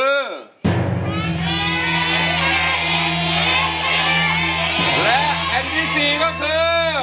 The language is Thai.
และแผ่นที่๔ก็คือ